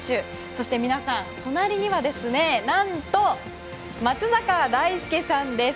そして皆さん、隣には何と松坂大輔さんです。